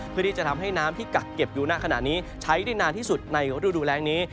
เพื่อที่จะทำให้น้ำที่กักเก็บอยู่ณขณะนี้ใช้ได้นานที่สุดในฤดูแรงนี้